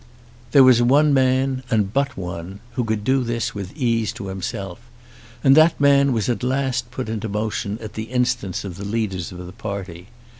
There was one man, and but one, who could do this with ease to himself; and that man was at last put into motion at the instance of the leaders of the party.